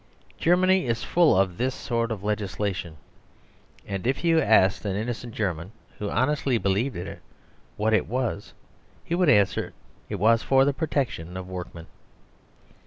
Germany is full of this sort of legislation; and if you asked an innocent German, who honestly believed in it, what it was, he would answer that it was for the protection of workmen.